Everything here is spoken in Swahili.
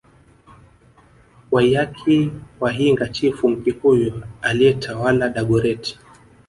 Waiyaki wa Hinga chifu Mkikuyu aliyetawala Dagoretti